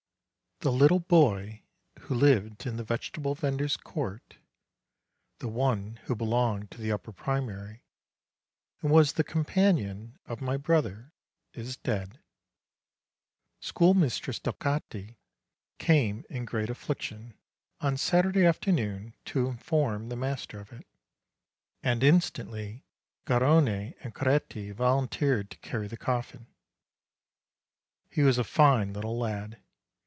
The little boy who lived in the vegetable vendor's court, the one who belonged to the upper primary, and was the companion of my brother, is dead. School mistress Delcati came in great affliction, on Satur day afternoon, to inform the master of it; and in stantly Garrone and Coretti volunteered to carry the coffin. He was a fine little lad.